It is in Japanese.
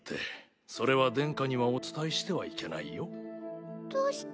それは殿下にはお伝えしてはいけないどうして？